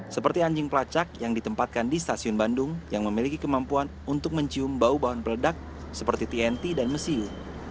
seperti anjing pelacak yang ditempatkan di stasiun bandung yang memiliki kemampuan untuk mencium bau bau peledak seperti tnt dan mesiu